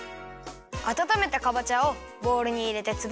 あたためたかぼちゃをボウルにいれてつぶすよ。